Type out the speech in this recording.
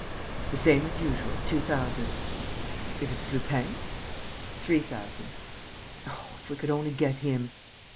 "The same as usual, two thousand." "If it's Lupin?" "Three thousand." "Oh, if we could only get him!"